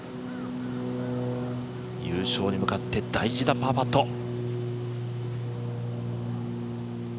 優勝に向かって大事なパーパット。